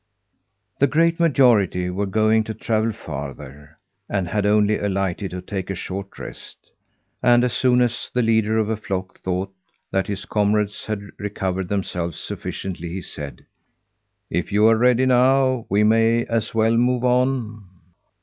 The great majority were going to travel farther, and had only alighted to take a short rest; and as soon as the leader of a flock thought that his comrades had recovered themselves sufficiently he said, "If you are ready now, we may as well move on."